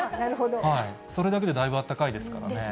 それだけでだいぶあったかいですからね。